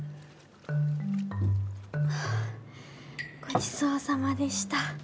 ごちそうさまでした。